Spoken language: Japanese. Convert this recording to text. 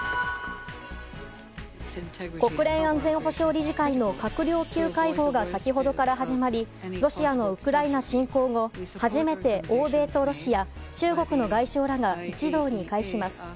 国連安全保障理事会の閣僚級会合が先ほどから始まりロシアのウクライナ侵攻後初めて欧米とロシア、中国の外相らが一堂に会します。